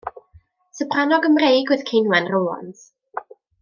Soprano Gymreig oedd Ceinwen Rowlands.